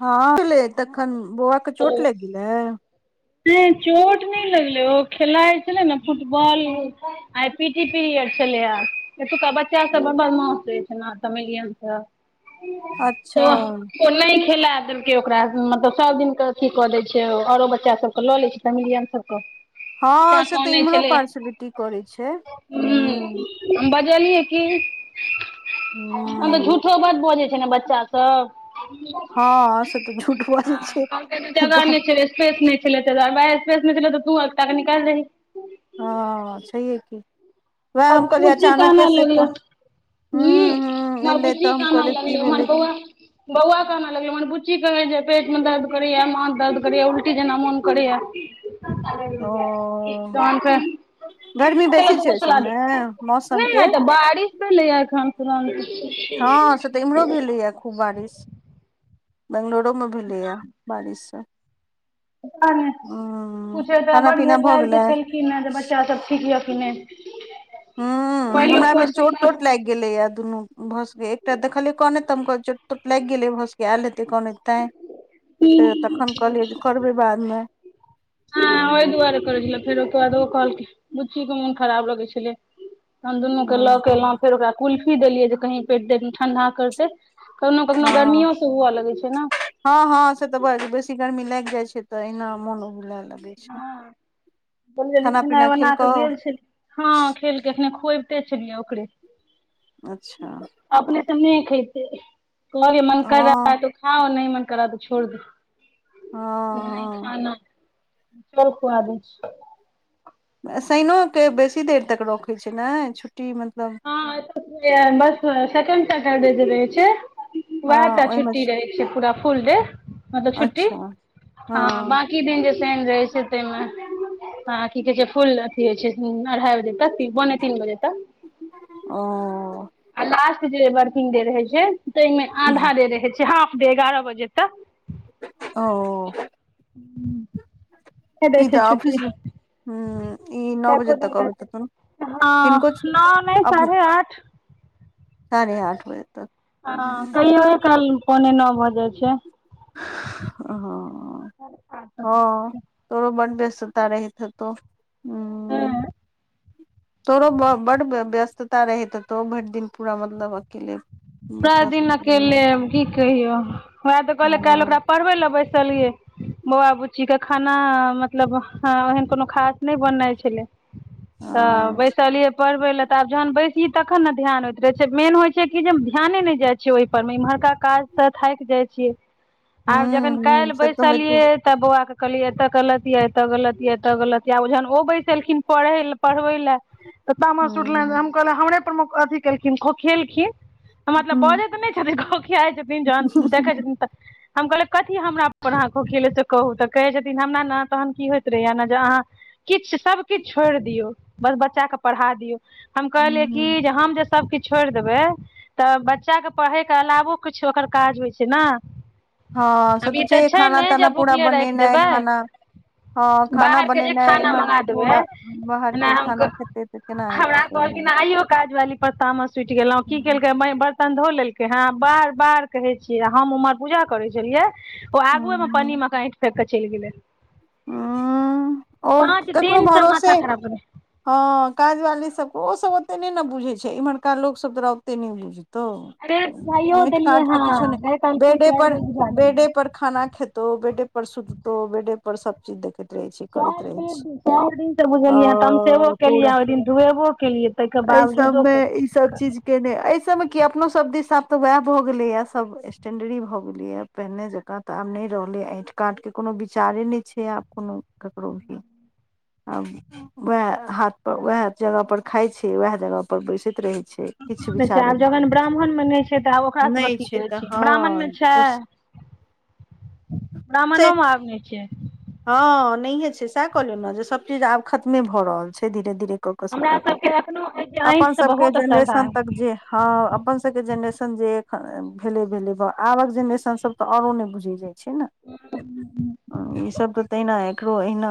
हँ तखन बौआ के चोट लाग गेला? नय चोट नहि लगलै ओ खेलाइ छलै ने फुटबॉल आइ पी टी पीरियड छलेया, एतुका बच्चा सब बड़मास छल तमेलियन से। तऽ अच्छा ओ नहि खेला देलकै ओकरा मतलब सब दिन के अथी कऽ दै छै औरो बच्चा सबके लऽ लै छै फेमिलियन सबके। हँ से तऽ इम्हरो पार्सलिटी करै छै। ह्म्म हम बजलियै की, हां त हूं झूठो बात बजै छै ने बच्चा स सब हाँ सेे त झू ह कहलैकय जगह नहि छैलाय सेट नै [unintelligible] स्पेस नहि छैलय त तू एकटा के निकैल दाही। हाँ छैहए की। वएह आ हम कहलियै बुची अचानके कानै से हूं लगलै। ह्म्म हूं हमर एलै तऽ बुच्ची हम कनैय कहलियै की लगलै भेलै हमर बौआ बौआ कहना लगैय मर बुच्ची कहे जे पेट मे दर्द करैया, मां दर्द करैए उल्टी जेना मोन करैया। ओ तहन फेर, गर्मी चलो बेसी छै तुमको ओहि सुला दे। सबमे मौसम के नहि तऽ बारिश भेलै एखन हँ से तऽ तुरंत। इम्हरो भेलैया खूब बारिश, बैंगलोरोमे भेलैय बारिश स। [unintelligible] कुछ त खाना ब् पीना भऽ भेठार के गेलै छलखिन जे बच्चा सब ठीक यऽ कि नहि ह्म्म, हमरा बेर चोट तोट लागि गेलैए दुनू भसके एकटा देखली कनैत त हम कहैलिय चोट चोट लागि गेलै भसके आयल हेै कनैत तै। त तखन कहलिय ज करबै बादमे। हँ ओहि दुआरे करै छले, फेर ओकर बाद ओ कहलकै बुच्ची के मोन खराब लगै छलै। त हम दुनूके के लऽ के एलहुँ फेर ओकरा कुल्फी देलियै जे कही पेट द ठण्डा करतै। कखनो कखनो गर्मियो से हुअ लगैत छै न? हाँ हां से तऽ ब बेसी गर्मी लागि जाय छै, त एना मोन उलबुले लागय। हँ जल्दी जल्दी खेनाय पीना बना क खेलकौ गेल छल, हाँ खेलके एखेने खुबैते ते छलियै ओककरे अच्छा अपने तऽ नहि खेते कहे मन कर रहा हँ है, तो खाउ नहि मन करा तो छोड़ दो। नहि हँ खाना है, चल खुआ दै छ। शइनोके बेसी देर तक रखैत छै ने, छुट्टी मतलब हां जे बस सेकेंड सैटरडे रहे छै हँ वएह टा ओहिमे छुट्टी रहे छे, पूरा फुल डे मतलब छुटी अच्छा हँ हाँ ब बाकी दिन जे शैन रहै छै ते मे। आ की कहे छै फूल अथी होइ छै, अढ़ाई बजे तक, पोने तीन बजे तक। ओ आ लास्ट जे बर्किंग डे रहै छै, ताहिमे आधा डे रहै छै हाफ डे एगारह बजे तक। ओ दै ई छै तऽ ऑफिस छुट्टी। मे हूं ई नौ त बजे एको दिन तक के अबैत हेथुन छुट्टी, हाँ हिनको नओ नहि अप साढ़े आठ साढ़े आठ बजे तक। हाँ कहियो काल पोने नौ भऽ जाइ छै। हां हाँ अ तोड़ो बन [unintelligible] बेसता रहत त ह्म्म तोरो बड व्यस्तता रहेते हो, भरि दिन पूरा मतलब अकेले पूरा बच्चा सब दिन अकेले की कहियौ, वैह त कहलिऔ काल्हि हँ ओकरा पढ़बै ले बैसलियै बौआ बुच्चीके खाना मतलब हं ओहन कोनो खास नै बनै छलै। [inaudible] त हँ बैसलिअइ पढ़बै ले आब जहन बैसही तखन ने धिआन होइत रहै छै, मेन होइ छै कि जे धियाने ने जाइ छै ओइ पर मे, इम्हरका काज सं थाकि जाइ छियै। [inaudible] आब जखन हूं हूं काल्हि से तऽ होइते बैसलियै छै त बौआके कहलियै एत गलत या, एत गलत या, एत गलत या आ ओ जहन ओ बैसलखिन पढ़ै ल पढ़बै ले त तामस उठलनि, हूं हम कहलिअइ हमरे परमे अथी केलखिन खोंखिएलखिन। मतलब हूं बजै त नै छथिन, खोंखियाइ छथिन जहन हूं देखै छथिन त। हम कहलिअइ कथी हमरा पढ़ाक भेलै से कहु, त कहै छथिन हमरा ने तहन की होइत रहैया ने जे अहाँ किछ सब किछ छोरि दियौ बस बच्चा के पढ़ा दियौ, हम कहलियै हूं कि जे हम जे सब किछ छोरि देबै त त बच्चाके पढ़ैके अलावो किछो ओकर काज होइ छै ने? हँ [inaudible] से आब तऽ ई त छैहे छै खाना ने जे ताना पूरा भुखले राखि बनेनाइ देबै? खाना हँ [inaudible] खाना बाहरके जे बनेनाइ खाना इम्हर मंगा पूरा देबै, [inaudible] बाहर के एना हम खाना कह खेतै तऽ केना हमरा हेतै सही मे कहलखिन आइयो काज वाली पर तामस उठि गेलौं, की केलकै एम्हर बर्तन धो लेलकै हं, बार बार कहै छियै इ हम उम्हर पूजा करे छलियै ओ आगुएमे हूँ पन्नीमे क आंठि फेेक क चलि गेलै। हूँ ओ [inaudible] पाँच दिनसं माथा खराब केने हं काज वाली सबके, ओ सब ओते नै ने बुझै छै। इमहरका लोक सब तोरा ओते नै बुझ तौ, [inaudible] आंठि कांठके किछो नै। बेडे पर, बेडे पर खाना खेतौ, बेडे पर सुततौ, बेडे पर सब चीज देखैत रहै छिअइ करैत रहै छै। सब दिन त बुझलियै हं, तमसेबो ओ पूरा केलियैया ओइ दिन धुएबो केलियै तकर एहि बावजूदो सबमे करै ई सब चीज छै के नै, अहि सबमे की अपनो सब दिस आब त वैह भ गेलै या सब स्टेंडरी भ गेलैया। पहिने जकां त आब नै रहलै, आंठि कांठके कोनो विचारे नै छै आब कोनो ककरो भी, [inaudible] आब वैह हाथ पर वैह जगह पर खाइ छै वैह जगह पर बैसैत रहै छै। किछ छै विचारे आब नै जखन ब्राह्मणमे नहि छै तऽ आब ओकरा [inaudible] नै सबके की छै कहै त छियै हँ ओ स ह ब्राह्मणो मे आब नै छै। हँ नहिए छै सैह कहलियौ न, जे सभ चीज आब खतमे भ रहल छै धीरे धीरे क क हमरा सबटा खतम, सबके एखनो अइ जे [inaudible] आँखि अपन से सबके बहुत असर भए जेनरेशन तक जे हँ अपन सब शके जेनरेशन जे एखन भेलै भेलै बा, आबक जेनरेशन सब त औरो नै बुझै जाइ छै न, हं [inaudible] हं ई सब त तहिना एकरो अहिना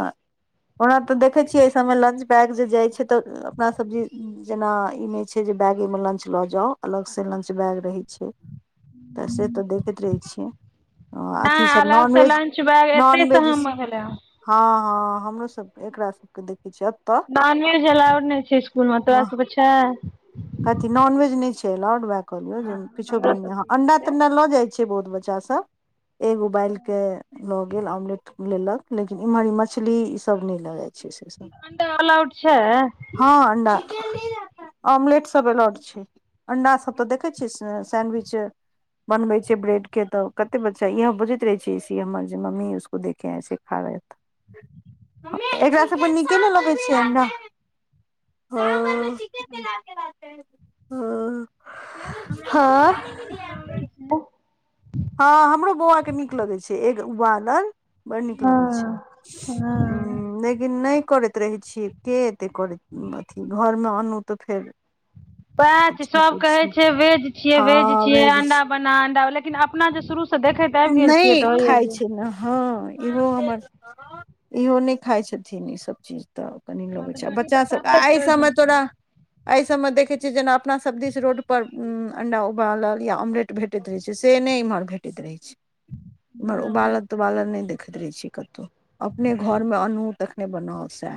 ओना त देखै छियै अइ सबमे लंच पैक जे जाइ छै त अपना सब्जी जेना ई नै छै जे बैगेमे लंच ल जाउ अलग सं लंच बैग रहै छै। त से त देखैत रहै छियै। हं आ अथी नहि सब अलग से नॉनवेज, लंच बैग एते से नॉनवेज हम भेले हँ-हँ हमरो सबके, एकरा सबके देखै छियै अप नॉनवेज अलाउड नै छै इसकुल मे, तोरा सबके छै? [inaudible] कथी नॉनवेज नै छै एलाउड वैह कहलियौ जे किछो भी [unintelligible] अंडा तंडा ल जाइ छै बहुत बच्चा सब। [inaudible] एग उबालिके ल गेल, ऑमलेट लेलक लेकिन इमहर ई मछली ई सब नै ल जाइ छै से सब‌। अंडा अलाउड छै? हँ अंडा, [unintelligible] ऑमलेट सब एलाउड छै। अंडा सब त देखै छियै सैंनविच, बनवे छै ब्रेड के त कते बच्चा इहै बुझैत रहे छै स जे मम्मी उसको दे, [unintelligible] एकरा सबके नीके ने लगै छियै अंडा। होँ होँ। हमरा बहुआ के नीक लगै छै। हँ हमरो बौआ के नीक लगे छै एग उबालल। बड़ नीक लगै छै हम्म, नेइ कौरैत रहै छियै ते एते कौरै अथी घरमे आनू त फेर, पच पोछा सब कहै पोछी छिए भेज छियै भेज छियै अंडा बना अंडा लेकिन अपना जे शुरू, से देखैत आबि गेल नई छियै तऽ होइया खाए जे छै ना हँ। इहो हमर इहो नई खाए छथिन ई सब चीज। त कनी लबै छी आ बच्चासबके आई सबमे तोरा, अई सब मे देखे छीे जेना अपना सब दिस रोड पर अंडा उबालल या ऑमलेट भेटैत रहे छै से ने इम्हर, भेटैत रहै छै ईम्हर उबालल तोबालल नई देखैत रहै छियै कतौ। अपने घोरमे आनू तखने बनाउ सै,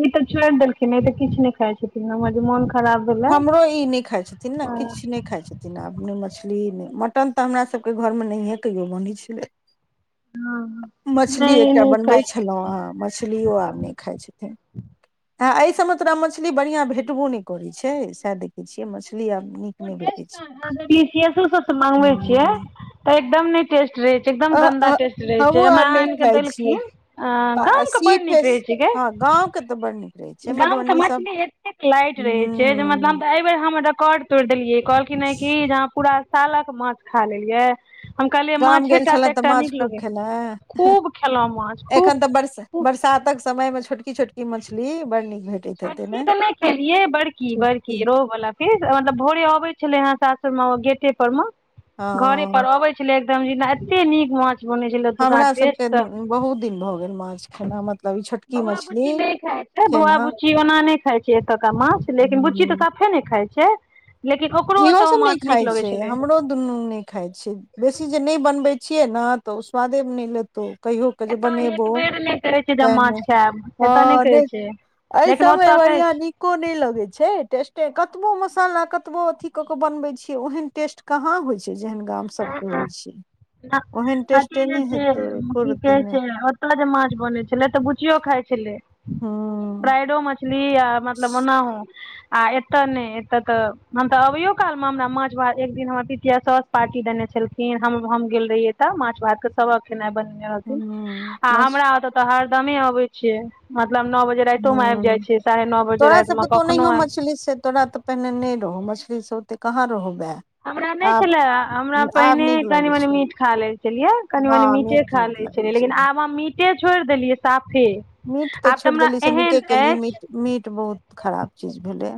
ई सब छोइर देलखिन ई त किछु नय खाए छथिन जे मोन खराब, भेलै हमरो ई नैय खाई छथिन न किछ नै, खाइ छथिन ना आब नय ना मछली नै मटन त हमरासबके घोरमे नहिए कहिओ बोनै छलै। हँ मछली नहि एकटा नहि बनबै खाइ छै छलोअ अ मछ, मछलियो आब नेय खाय छथिन आ एय सब मे तोरा मछली बढ़िया भेटबो नैए कोरे छै। तै सेए देखे छियै मछ, लिअ नि, फ्रिलिपकेसुस सब स मगबै छियै। त एकदम नई टेस्ट रहै छै एकदम ह अ गन्दा टेस्ट रहै छै हमहूँ आब हमरा नहि आइन के खाइ छियै देलखिन, अ गामके बड़ सी नीक फेस रहै छै ग, हँ गाँव केत बड़ नीक। रहै छै गाम के मधुबनी सब मछली एतेक लाइट रैए छै, ह मतलब अय बेेर हम रिकॉर्ड तोइर देलियै कहलखिन ह कि जेह पूरा, सालक माछ खा लेलियै। हम कहलियै गाम माछै गेल टा छलहुँ त तऽ एकटा माछ नीक खूब लगे खेलैं खूब खेलउवा माछ एखन खूब। तऽ बरस बरसातक समय में छोटकी छोटकी मछली बड़ नीक भे, छोटकी त नै खेलिय बड़की छोटकी बड़की रो बला। क मतलब भोरे अबे छले हे सासुर गेटे पर में घरे पर हँ अबे, छिलै एकदम एते नीक माछ बोने, हमरा सबके बहुत दिन भ गेल माछ। खेना मतलब ई छोटकी बौआ मछली बुच्ची नय खाइ छै बौआ खेना बुच्ची ओना नै खाइ छै एतका माछ लेकिन बुच्ची हूँ त सा, फे ने खाइ छै लेकिन ओकरो इहो ओत सब नहि माछ खाइ निक लगै छै छलै। हमरो दुनू नय खाए छै बेसी जे नय बनबे छियै ना त ओ स्वादे नय ल, तो कहिओ क जे एतऽ एक बनेबौ बेर नहि कहै छै जे हम पने माछ खायब एतऽ नहि हँ नै, कहै छै अय लेकिन सबौ ओतऽ कहै बढ़िआँ नीको नै लगै छै टेस्टे कतबो मसाला कत, कतबो अथी क क बनबै छियै ओहेन टेस्ट कहाँ होइ छै जेहन गाम सबके होइ छै। नहि ओहन तऽ हथी टेस्टे जे नहि हेतौ छै एको की रती कहै नहि छै ओता जे माछ बने छला त बुच्चीयो खाइ छलै। हँ फ्रइडो मछली या मतलब ओना हो। आ एतऽ नहि, एतऽ तऽ हम तऽ अबैयो काल मे हमरा माछ भात एक दिन हमर पितिया साउस पार्टी देने छलखिन, हम हम गेल रहिय त माछ भात के सबहक खेनाइ बनेने रहथिन हूँ आ मछ हमरा ओता त हर दमे अबै छीये, मतलब नओ बजे तक राइतौ मे आबि हूँ जाय छीये, साढ़े नओ बजे तोरा राइत में सबके तऽ ओनाहियो कखनो आय से मछली स तोरा त पहिने नहि रहो मछली से ओते कहाँ रहो बे। हमरा नहि छले, हमरा पहिने नीक कनी लगै मनी छै मीट खा ले छलियै कनी हँ मनी मीटे मीट नीक खाले छ लगै छेलिए, लेकिन छै आब हम मीटे छोड़ि देलियै साफे। मीट तऽ आब छोड़ि हमरा देली से एहन नीके केली, अछि मीट मीट बहुत खराब चीज भेलै।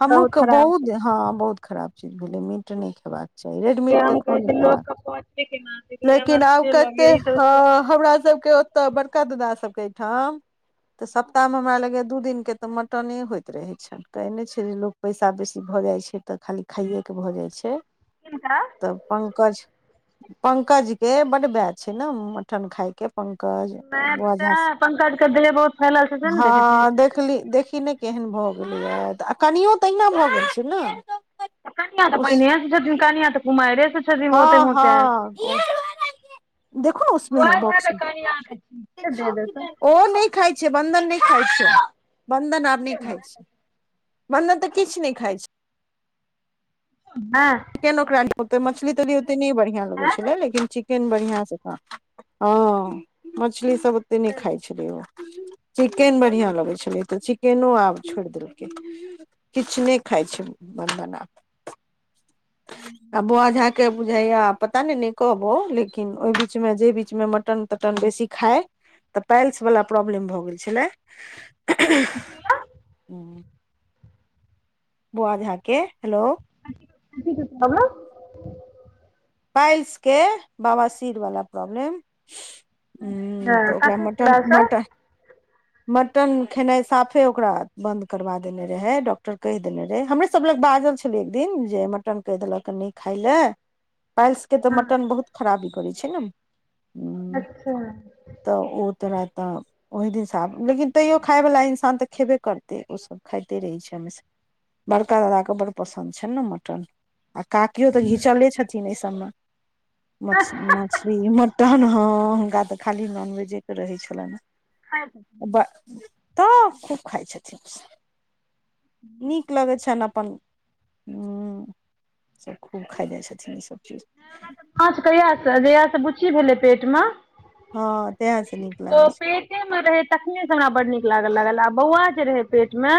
हमु के खराब बहुत छै हँ बहुत खराब चीज भेलै मीट नहि खेबाक जे रेडमीट हम केकरो कहै नहि खेबाक लोकके छै, पहुँचबे केना छै हमरा लेकिन तऽ आब से कते लगैये ई सब हमरा सबके तऽ बड़का ददा सबके एहिठाम तऽ सप्ताह मे हमरा लगैया दू दिनके तऽ मटने होइत रहै छनि कहैने छै जे लोक पैसा बेसी भऽ जाइ छै, तऽ खाली खाइएके भऽ जाइ छै। किनका? तऽ पंकज पंकजके बड बे छै, ने मटन खायके। पंकज नै तै पंकज क देह बहुत फैलल छै से ने देखै छी हाँ देख देखली देखी ने केहन भऽ गेलैऽ आ कनियो तऽहिना भऽ गेल छै ने? कनिया त पहनै से छै, कनिया तऽ कुमाइरे से छथिन बहुते हाँ मोटायल हाँ, देखो ना उसमे है बॉक्स मे। के दे देतै ओ नहि खाइ छै, बंधन नहि खाइ छै, बंधन आब नहि खाइ छै। बंधन तऽ किछु नहि खइ छै। हाँ। चिकेन ओकरा निक ओते मछली ओते नहि बढ़िया लगै आँय छलै लेकिन चिके केन बढ़ियां स खा हँ मछली सब ओ त नहि छोड़ि खाइ छल देलखिन ओ, चिकेन छोड़ि बढ़िया देलखिन लगे छल त चिक चिकेनो आब छोड़ि देलकै, किछु नहि खाइ छै बन्दन आब। आ बौआ झा के बुझाईया पता ने नय कहबौ लेकिन ओहि बीचमें जे बीचमे मटन टन बेसी खाइ त पैल्स वला प्रॉब्लेम भऽ गेल छलै। [inaudible] बौआ झा के, हेलो कथि के प्रॉब्लेम? पाइईल्स के बाबासीर बला प्रॉब्लेम। ह्म्म हँ त ओकरा कथी मटन छलै से मटन हँ मटन खेनाइ साफे ओकरा बंन्द करबा देने रहै, डॉक्टर कहि देने रहे हमर सा सब लग बाजल छलय एक दिन जे मटन कहि देलक न खाय ले। पाईल्स के तऽ मटन बहुत खराबी करै छै न। अच्छा त ओ तोरा त ओहि दिनसँ आब लेकिन तैओ खायवला इंसान तऽ खेबे करतै ओसभ खाइते रहै छै हमेशा। बड़का दादा के बड़ पसन्द छनि ने मटन आ काकीयो तऽ घिचले छथिन एहि सभमे। मछ मछली मटन हां हुनका तै खाली नॉनवेजे के रहय छलैन। ब त खूब खाइ छथिन उ सब नीक लगय छैन अपन हुं ई सब खूब खाइ जाए छै। थिन ई सब चीज अच्छा कहिया से जहिया से बुच्ची भेलय पेट मे हां तहे से नीक लागय छै। टे मे रहय तखने से हमरा बड्ड नीक लागय लागल आ बौआ जे रहय पेट मे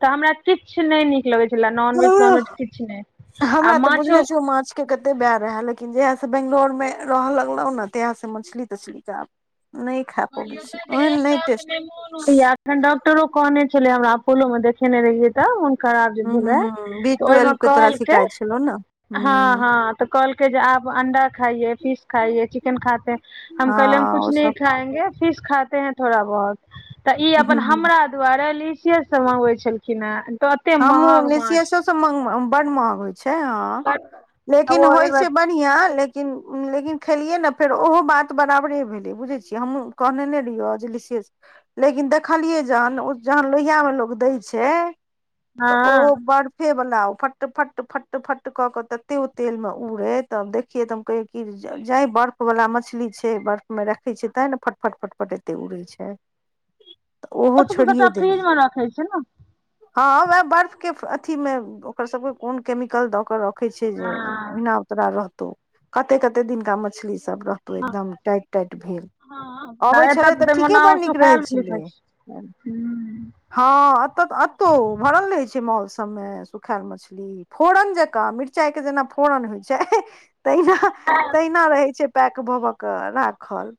तऽ हमरा किछ नै नीक लगय छलए नॉनवेज छै तोनवेज किछ नै आ माछो कते कते वैह रहय लेकिन जहिया से बंगलोर मे र ह लगलौ नै तहिया से मछली-तछली के आब नै। कहलिए ओता जे एक सौ के [unintelligible] होय यै ऐखन डॉक्टरो कहनै छले हमरा अपोलो मे देखेनै रहियै। तब हुनकर आब जे भेलय ह बी तऽ ओय मे ट्वेल्व के तोरा कहलके शिकायत छलौ ने ह हां-हां। तऽ कहलकै जे आप अंडा खाइये, पिस खाइये, चिकेन खाते हैं हम कहलिए हम हँ कुछ ओ नहीं सब खाएंगे फिश खाते हैं थोड़ा बहुत तऽ ई अपन ह हमरा दुआरे लीसे से मंगवे छलखिन हें तते महग माछ से मंग अ बड महग होय छै हां आ लेकिन ओ होय एक छै बेर ब ढ़िया लेकिन-लेकिन खेलियै नै फेर ओहो बात बराबरे भेलय बुझय छियै हम्हुँ कहनै नै रीहो जे लीसे से लेकिन देखलियै जहन ओ जहन लोहिया मे लोग दै छै तऽ हँ ओ बड़ फे बला उ फट-फट-फट-फट क के तत्ते उ तेल मे उड़े तब देख देखिए तै हम कहियै कि जे जैं बर्फ बला मछली छै बर्फ मे रखै छै तें ने फट-फट-फट फट एतय उड़य छै। तऽ ओ ओहो सब तै सबटा फ्रिज में राखे छै नै हां वैह बर्फ के अथी मे ओकर सबके कोन केमिकल दऽ कऽ रखय छै जे उ हँ ओहिना तोरा रहतौ कते-कते दिनका मछली सब रहतौ एकदम टाइट-टाइट भेल। अबै एतऽ छलै तऽ ठीके ओना बड़ नीक रहय सुखायल मछली खाय छलै छै हां एतय तै अत तो भरल रहय छै मॉल सब में सुखाऐल मछली। हुं फोरन जकाँ मिरचाई के जेना फोरन होय छै तैहना हां। ओहिना रहय छै पैक भ-भ के राखल।